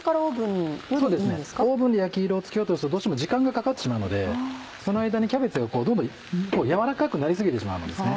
オーブンで焼き色をつけようとするとどうしても時間がかかってしまうのでその間にキャベツがやわらかくなり過ぎてしまうのですね。